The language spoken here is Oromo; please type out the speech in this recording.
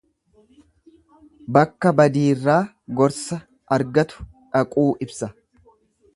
Bakka badiirraa gorsa argatu dhaquu ibsa.